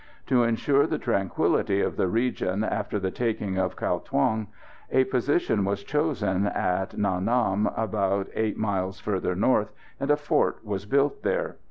To ensure the tranquillity of the region after the taking of Cao Thuong, a position was chosen at Nha Nam, about 8 miles further north, and a fort was built there.